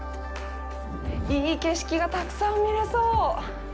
いい景色がたくさん見れそう。